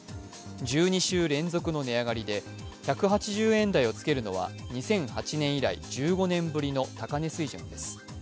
１２週連続の値上がりで、１８０円台をつけるのは２００８年以来１５年ぶりの高値水準です。